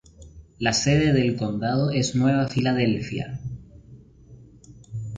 La sede del condado es Nueva Filadelfia.